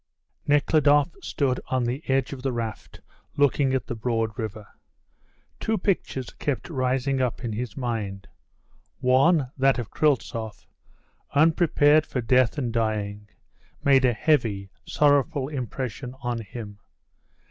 Nekhludoff stood on the edge of the raft looking at the broad river. Two pictures kept rising up in his mind. One, that of Kryltzoff, unprepared for death and dying, made a heavy, sorrowful impression on him.